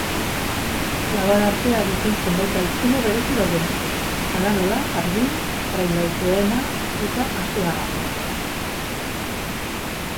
Labar-artea duten zenbait haitzulo berezi daude, hala nola Arbil, Praileaitz lehena eta Astigarraga.